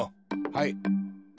はい。